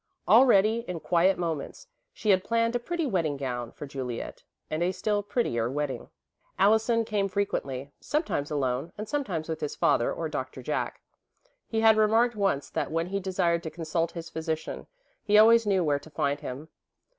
Already, in quiet moments, she had planned a pretty wedding gown for Juliet, and a still prettier wedding. Allison came frequently, sometimes alone and sometimes with his father or Doctor Jack. He had remarked once that when he desired to consult his physician, he always knew where to find him.